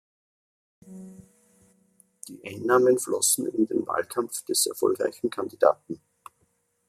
Die Einnahmen flossen in den Wahlkampf des erfolgreichen Kandidaten.